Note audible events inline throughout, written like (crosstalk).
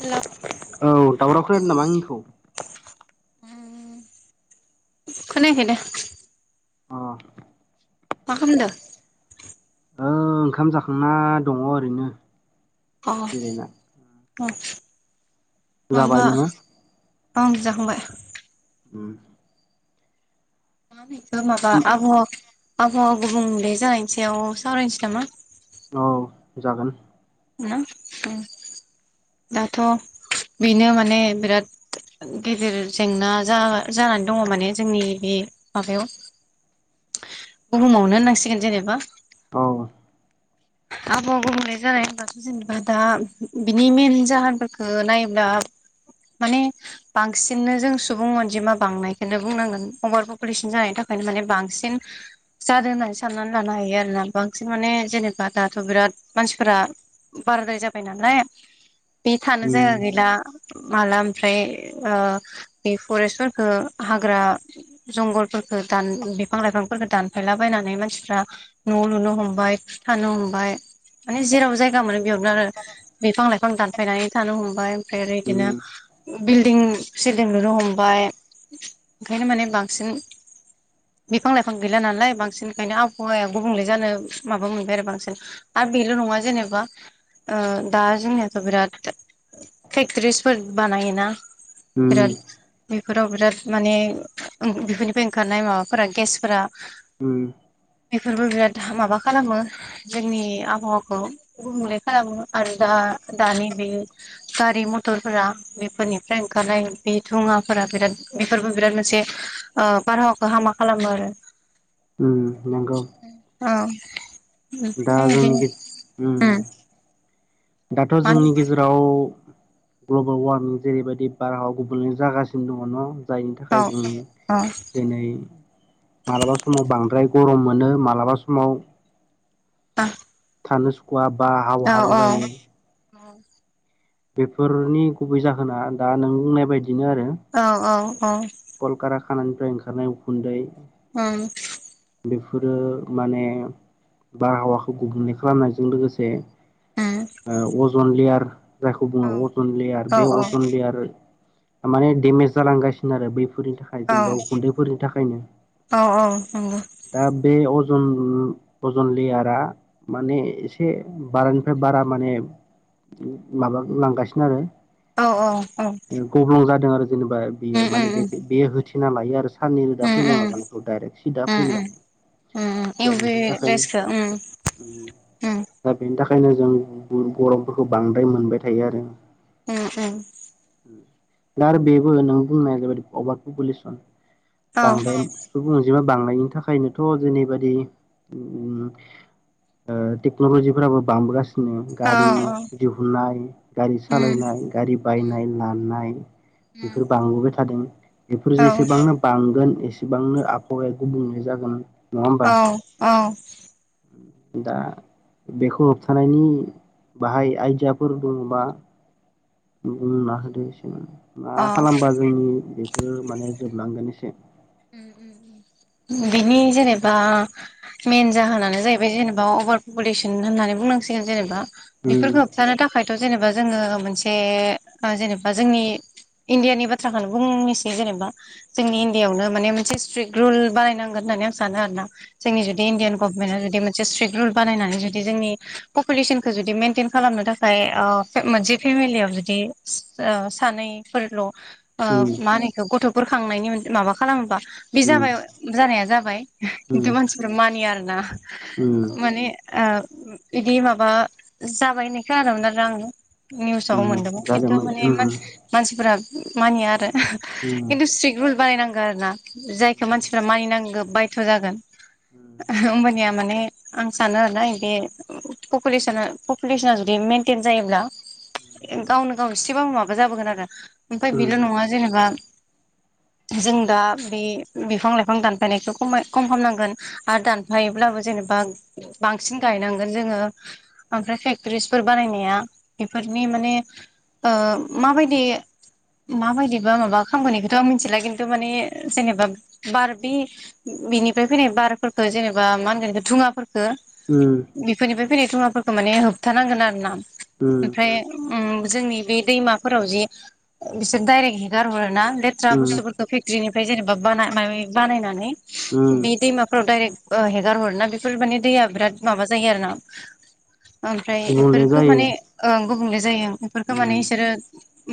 Hello औ दावराव खोनादों नामा आंनिखौ उम खोनायाखै दे अ मा खालाम दों ओ ओंखाम जाखांना दङ ओरैनो अ जिरायना (inaudible) जाबाय नोङो उम जाखांबाय उम मा बेखौ माबा आबहाव आबहावा गुबुंले जानायनि सायाव सावरायनोसै नामा? औ जागोन उम उम दाथ' बेनो माने बिराद गिदिर जेंना जाना जानानै दङ माने जोंनि बे माबायाव बुहुमावनो होननांसिगोन जेनेबा औ आबहावा गुबुंले जानाय होनोब्लथ' जेनेबा दा बिनि मेन जाहोनफोरखौ नायोब्ला माने बांसिननो जों सुबुं अनजिमा बांनायखौनो बुंनांगोन अभार पपुलेसन जानायनि थाखाय ओंखायनो माने बांसिन जादों होननानै साननानै लानो हायो आरोना बांसिन माने जेनेबा दाथ' बिराद मानसिफोरा बाराद्राय जाबाय नालाय बे थानो उम जायगा गैला माला ओमफ्राय ओ बे फरेस्टफोरखौ हाग्रा जंगलफोरखौ दान बिफां लाइफांफोरखौ दानफायला बायनानै मानसिफ्रा न' लुनो हमबाय थानो हमबाय माने जेराव जायगा मोनो बेयावनो आरो बिफां लाइफां दानफायनानै थानो हमबाय ओमफ्राय आरो बिदिनो उम बिल्डिं सिल्डिं लुनो हमबाय ओंखायनो माने बांसिन बिफां लाइफां गैला नालाय बांसिन ओंखायनो आबहावाया गुबुंले जानो माबा मोनबाय आरो बांसिन आरो बेल' नङा जेनेबा ओ दा जोंनियाथ' बिराद फेक्टरिसफोर बानायोना उम बिराद बेफोराव बिराद माने बेफोरनिफ्राय ओंखारनाय माबाफोरा गेस फोरा उम बेफोरबो बिराद हा माबा खालामो जोंनि आबहावाखौ गुबुंले खालामो आरो दा दानि बे गारि मथर थरफोरा बेफोरनिफ्राय ओंखारलनाय बे दुंङाफोरा बिराद बेफोरबो बिराद मोनसे ओ बारहावखौ हामा खालामो आरो उम नंगौ औ दा जोंनि गे उम दाथ' मा जोंनि गेजेराव ग्लबेल वार्मिं जेरै बायदि बारहावा गुबुंलै जागासिनो दंङ न जायनि थाखाय जोङो होनो दिनै मालाबा समाव बांद्राय गरम मोनो मालाबा समाव (inaudible) थानो सुखुवा बा हाव हाव जायो। (inaudible) बेफोरनि गुबै जाहोना दा नों बुंनाय बायदि अ अ अ कलकार खानानिफ्राय ओंखारनाय उखुन्दै उम बेफोरो माने बारहावाखौ गुबुंले खालामनायजों लोगोसे ओ अजन लेयार जायखौ बुङो अजन लेयार बे अजन लेयार माने डेमेज जालांगासिनो आरो बैफोरनि थाखाय जेनेबा गुन्दैफोरनि थाखायनो औव औव नंगौ। उम अजन लेयारा माने एसे बारानिफ्राय बारा माने माबा लांगासिनो आरो औ औ नंगौ औ गब्लं जादों आरो जेनेबा उम बियो उम माने होथे ना लायो आरो साननै रोदा उम फैनाय उम माबानायखौ दडाइरेक्ट सि दा उम उम फैनायखौ उम दा इउ भि बेफोरनि थाखायनो रेसखौ उम उम उम दा बेनि थाखाय ओंखायनो जों गरमफोरखौ बांद्राय मोनबाय थायो आरो उम उम दा आरो बेबो नों बुंनाया जोबोद अभारपुलेसन औ बांद्राय सुबुं अन जिमा बांनायनि थाखायनोथ' जेनैबादि उम ओ टेक्न'लजिफोराबो बांबोगासि नो औ गारि औ दिहुननाय गारि उम सालायनाय गारि उम बायनाय लानाय उम बेफोर बांबोबाय थादों। बेफोर औ जेसेबांनो बांगोन एसेबांनो आबहावाया गुबुंले जागोन नङा होमबा औव-औव दा बेखौ होबथानायनि बाहाय आइडियाफोर बुंना होदो एसेमान। मा अ खालामबा जोंनि बेफोरो माने जोबलांगोन एसे उम-उम बिनि जेनेबा मेन जाहोनानो जाहैबाय जेनेबा अभार पुलेसन होननानै बुंनांसिगोन जेनेबा उम बेफोरखो होबथानो थाखायथ' जेनेबा जोङो मोनसे ओ जेनेबा जोंनि इण्डियानि बाथ्राखौनो बुंनोसै जेनेबा उम जोंनि इण्डियाआवनो माने मोनसे स्ट्रिक रुल बानायनांगोन होननानै आं सानो आरो ना जोंनि जुदि इन्डियान गभमेन्ट जुदि मोनसे स्ट्रिक्ट रुल बानायनानै जुदि जोंनि पपुलेसनखौ जुदि मेनटेन खालामनो थाखाय ओ मोनसे फेमिलियाव जुदि सानैफोरल' ओ मा होनो इखो गथ'फोर खांनायनि माबा खालामोबा बे उम जाबाय जानाया जाबाय खिन्थु उम मानसिफोरा मानिया आरोना उम माने ओ ओम बिदि माबा जाबायहोननाय खोनादोंमोन आरो आङो। निउसाव उम मोनदोंमोन खिन्थु जागौमोन माने उम मानसि-मानसिफोरा मानिया आरो उम (unintelligible) खिन्थु स्ट्रिक रुल बानायनांगौ आरो ना जायखौ मानसिफ्रा मानिनांगौ बायध' जागोन। ओमबानिया माने आं सानो आरोना ओयबे पपुलेसना-पपुलेसना जुदि मेनटेन जायोब्ला गावनो गाव एसेबाब माबा जाबोगोन आरो ओमफ्राय बेल' नङा जेनेबा जों दा बे बिफां लाइफां दानफायनायखौ खमाय खम खालामनांगोन आरो दानफायोब्लाबो जेने बा बांसिन गायनांगोन जोङो ओमफ्राय फेक्टरिसफोर बानायनाया बेफोरनि माने ओ माबायदि-माबायदिबा माबा खामगोन बिखौथ' आं मिथिला खिनथु माने जेनेबा बार बे बिनिफ्राय फैनाय बारफोरखौ जेनेबा मा होनगोन धुङाफोर खो उम बेफोरनिफ्राय फैनाय धुङाफोरखौ माने होबथानांगोन आरो ना उम ओम जोंनि बे दैमाफोराव जि बिसोर डाइरेक हेगारहरो ना लेथ्रा उम बुस्थुफोर फेक्ट्रिनिफ्राय जेनेबा बाना माबा-माबि बानायनानै उम बे दैमाफ्राव डायरेक ओ हेगार हर ना बेफोर माने दैया बिराद माबा जायो आरो ना ओमफ्राय गुबुंले इफोरखौ जायो माने ओं गुबुंले जायो इफोरखौ माने उम इसोरो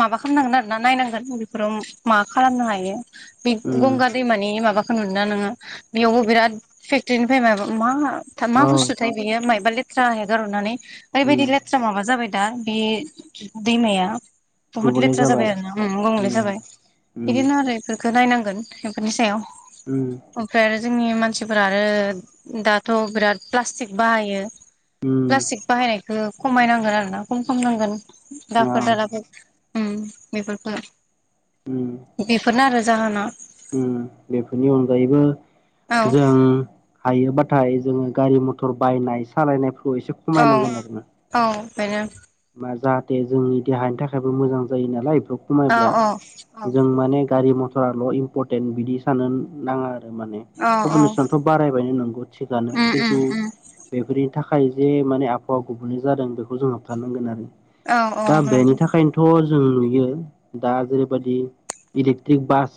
माबा खालामनांगोन आरोना नायनांगोन बेफोराव माबा खालामनो हायो। बे उम गंगा दैमानि माबा नुदों ना नोङो बेयावबो बिराद फेक्टरनिफ्राय मायबा मा मा औ बुस्थुथाय बेयो मायबा लेथ्रा हे गार'नानै उम ओरैबायदि लेथ्रा माबा जाबाय दा बे दैमाया बहुत लेथ्रा जाबाय आरो ना गंले उम जाबाय उम बिदिनो आरो। बेखौ नायनांगोन बेफोरनि सायाव उम ओमफ्राय आरो जोंनि मानसिफोर आरो दाथ' बिराद प्लास्टिक बाहायो। उम प्लास्टिक बाहायनायखौ खमायनांगोन आरोना खम खामनांगोन औ दाखोर दालाफोर बेफोरखौ उम फोर आरो जाहोना। उम बेफोरनि अनगायैबो औ जों हायोबाथाय जोङो गारि मथर बायनाय सालायनायफोरखौ एसे औ खमायनांगोन आरोना। औ बेनो जाहाथे जोंनि देहानि थाखायबो मोजां जायो नालाय औ खमायब्ला औ औ जों माने गारि मथराल' इमपरटेन्ट बिदि साननो नाङा आरो। औ औ पप्युलेसनथ' बारायबायनो नंगौ थिगनो उम उम खिन्थु उम बेफोर थाखाय जे माने आबहावा गुबुनै जादों बेखौ जों हाबथानांगोन आरो। औ औ दा बेनि नंगौ थाखायनोथ' जों नुयो दा जेरैबायाददि इलेक्ट्रिक बास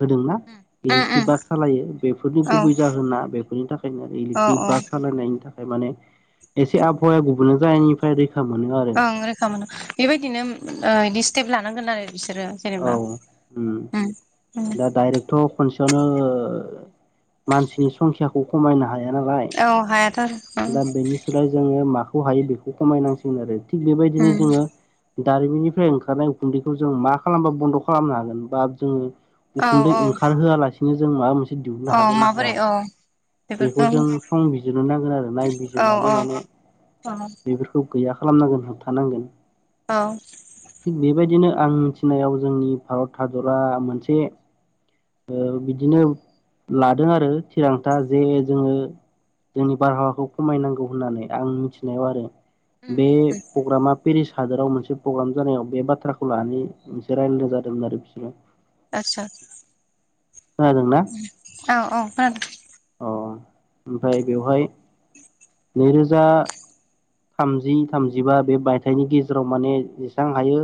होदोंना उम इलेक्ट्रिक उम बास सालायो बेफोरनि औ गुबै जाहोना बेफोरनि थाखायनो आरो औ इलेक्ट्रिक औ बास सालायनायनि थाखाय माने एसे आबहावाया गुबुनना जायनिफ्राय ओं रोखा मोनो बेबायदिनो बिदि स्टेप लानांगोन आरो बिसोरो औ जेनेबा उम उम दा डाइरेक्थ' खनसे बियावनो मानसिनि संखियाखौ खमायनो हायो गनाय नालाय औ हायाथ' आरो ओं दा बेनि सोलाय जोङो मा हायो बेखौ खमायनांसिगोन आरो थिग बेबायदिनो उम जोङो दारिमिननिफ्राय ओंखारनाय उखुन्दैखौ जों मा खालामबा बन्द' खालामनो हागोन बा जोङो औ उखुन्दै औ ओंखारहोआलासिनो जों माबा मोनसे दिहुननो औ हागोन ना हाया माबोरै औ बेखौ बेफोरखौ जों संबिजिरनो नांगोन आरो औ नायबिजिरनानै औ माने औ बेफोरखौ गैया खालामनांगोन हाबथानांगोन औ थि बेबायदिनो आं नियाबो जोंनि भारत हादरा मोनसे बिदिनो लादों आरो थिरांथा जे जोङो जोंनि बारहावाखौ खमायनांगौ होननानै आं मिथिनायाव आरो उम बे उम प्रग्रामा पेरिस हादोराव मोनसे प्रग्राम जानायाव बे बाथ्राखौ लानानै मोनसे रायल्लायनाय जादोंमोन आरो बिसोरो आचसा खोनादोंना औ औ। अ ओमफ्राय बेवहाय नैरोजा थामजि थामजिबा बे मायथाइनि गेजेराव माने जेसेबां हायो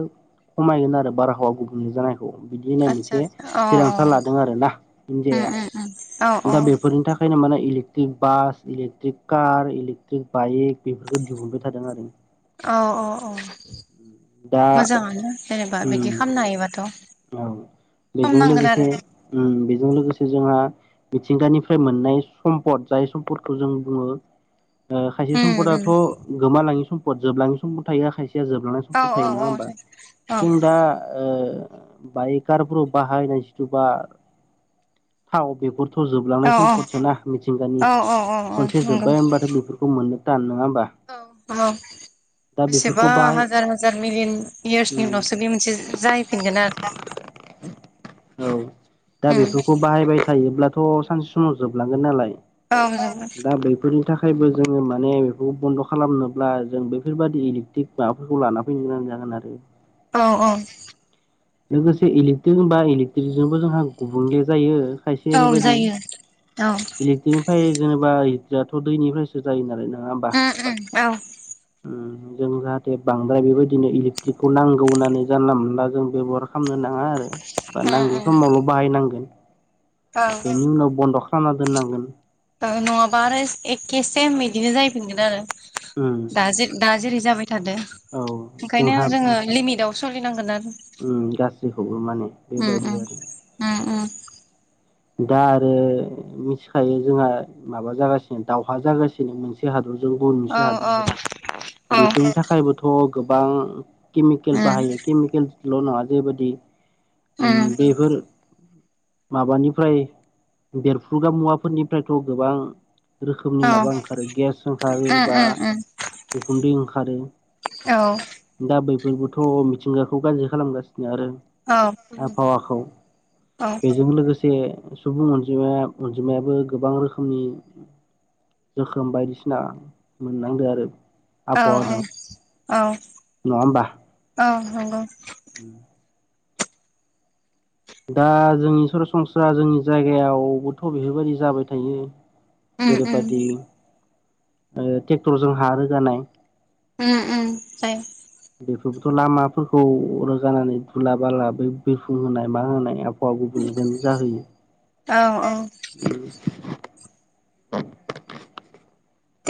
खमायगोन आरो बारहावा गुबुंनि जानाय बिदि होननाय आदसा मोनसे आदसा अ थिरांथा लादों आरोना इणन्डियाया अ औ दा बेफोरनि थाखाय बे माने इलेक electric bus electric car electric bike बेफोरखौ दिहुनबाय थादों आरो औ औ औ दा मोजाङानो जेनेबा बिदि उम खालामनो हायोबाथ' औ सम बेजों नांगोन लोगोसे आरो बेजों लोगोसे से जोंहा मिथिंगानिफ्राय मोननाय सम्पद जाय सम्पदखौ जों बुङो खायसे उम उम सम्पदाथ' गोमालाङि सम्फद जोबलाङि सम्पद थायो खायसे जोबलांनाय औ समपद औ थायो नङा औ होमबा औ जों दा बाइकारफोराव बाहायनाय जिथु बा थाव बेफोर थ' जोबलांनाय औ समफोरस ना मिथिंगानि औ औ औ औ मोनसे नंगौ जोब्बाय होनबथाय बेफोरखौ मोननो दान नङा। होमबा औ औ दा बेसेबा बेफोरखौ बाहाय हाजार हाजार मिलियन इयार्सनि उम उनावसो बे मोनसे जाहैफिनगोन आरो औ दा उम बेफोरखौ बाहायबाय थायोब्ला थ' सानसे समाव जोबलांगोन नालाय औ जोबोद दा बेैफोरनि थाखायबो जोङो माने बेखौ बन्द' खालामनोब्ला जों बेफोरबादि इलेक्ट्रिक माबाफोरखौ लाना फैनो गोनां जागोन आरो औ औ लोगोसे इलेकट्रिक होनबा इलेकट्रिकजोंबो जोंहा गुबुंले जायो। खायसे औ ओरैबायदि जायो औ इलेक्ट्रिकनिफ्राय जेनेबा हिटिरथ' दैनिफ्रायसो जायो नालाय ना उम उम औ। उम जों जाहाथे बांद्राय बेबायदिनो इलेकट्रिकखौ नांगौ होननानै जानला मोनला जों बेब'हार खालामनो नाङा। थाङा आरो बा उम नांगौ उम समावल' बाहायनांगोन औ बेनि उनाव बन्द' खालामना दोननांगोन दालाय नङाबा आरो एखे सेम बिदिनो जायैफिनगोन आरो उम दा दा जेरै जाबाय थादों औ ओंखायनो जोंहा जोङो लिमिटाव सोलिनांगोन आरो उम गासैखौबो माने बेबायदि आरो ओम ओम दा आरो मिथिखायो जोंहा माबा जागासिनो दावहा जागासिनो मोनसे हाद (unintelligible) जों गुबुन औ मोनसे औ हादरजों औ बेफोरनि थाखायबोथ गोबां केमिकेल उम बाहायो केमिकेलल नङा जेबायदि ओम उम बेफोर माबानिफ्राय बेरफ्रुग्रा मुवाफोरनिफ्रायथ गोबां रोखोमनि औ माबा ओंखारो गेस ओंखारो उम बा उम उम उखुन्दै ओंखारो औ गैबोथ' मिथिंगाखौ गाज्रि खालामगासिनो आरो औ आबहावाखौ बेजों लोगोसे से सुबुं अनजिमाया अनजिमायाबो गोबां रोखोमनि जोखोम बायदिसिना मोननांदों आरो औ आब हावाजों औ नङा होमबा औ नंगौ दा जोंनि सरासनस्रा जोंनि जायगायावबोथ' बेफोरबायदि जाबाय थायो उम उम जेरैबायादि ओ ट्रेक्टरजों हा रोगानाय उम उम जायो बेफोरबोथ' लामाफोरखौ रोगानानै दुला बाला बि बिरफुं होनाय मा होनाय हा गुबुनलोन जाहोयो औ औ (unintelligible) औ (unintelligible)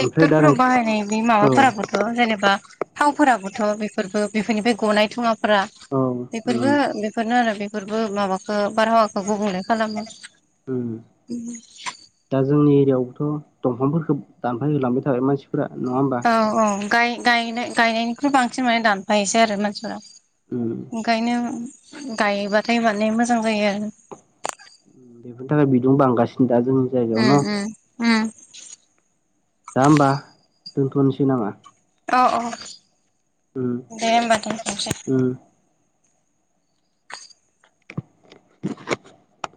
ओमफ्राय दा बाहायनाय बे माबाफोराबोथ' जेनेबा थावफोराबोथ' बेफोरबो बेफोरनिफ्राय गनाय धुङाफोरा औ उम बेफोरबो बेफोरनो आरो बेफोरबो माबाखौ बारहावाखौ गुबुंले खालामो उम यावथ' दंफांफोरखौ दानफाय होलांबाय थाबाय मानसि औ औ गाय गायनाय गायनायनिख्रुइ बांसिन माने दानफायोसै आरो मानसिफोरा उम ओंखायनो गायबाथाय माने मोजां जायो आरो बेफोरनि थाखाय बिदुं बांगासिनो दा जोंनि जायगायाव उम न उम उम दा होमबा दोनथ'नोसै नामा औ औ उम दे होमबा दोनथ'नोसै उम (unintelligible)